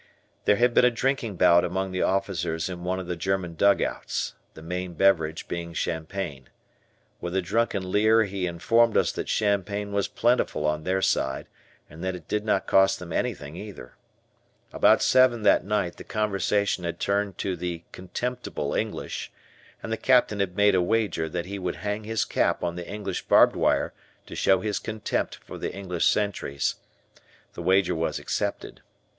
There had been a drinking bout among the officers in one of the German dugouts, the main beverage being champagne. With a drunken leer he informed us that champagne was plentiful on their side and that it did not cost them anything either. About seven that night the conversation had turned to the "contemptible" English, and the Captain had made a wager that he would hang his cap on the English barbed wire to show his contempt for the English sentries. The wager was accepted.